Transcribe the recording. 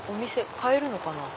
買えるのかな。